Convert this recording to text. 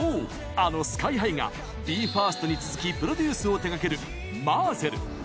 あのＳＫＹ‐ＨＩがＢＥ：ＦＩＲＳＴに続きプロデュースを手がけるＭＡＺＺＥＬ。